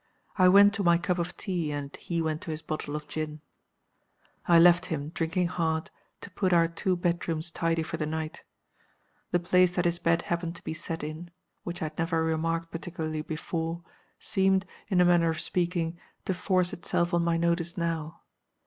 I went to my cup of tea, and he went to his bottle of gin. "I left him, drinking hard, to put our two bedrooms tidy for the night. The place that his bed happened to be set in (which I had never remarked particularly before) seemed, in a manner of speaking, to force itself on my notice now.